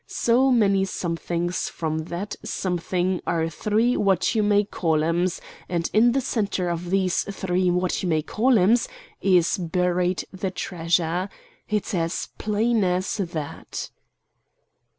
So many somethings from that something are three what you may call 'ems, and in the centre of these three what you may call 'ems is buried the treasure. It's as plain as that!"